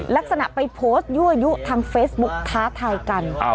ลักษณะไปโพสต์ยั่วยุทางเฟซบุ๊กท้าทายกัน